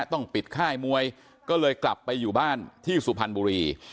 ต้องปิดค่ายมวยก็เลยกลับไปอยู่บ้านที่สุพรรณบุรี